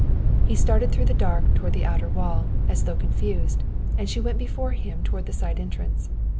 He started through the dark toward the outer wall, as though confused, and she went before him toward the side entrance.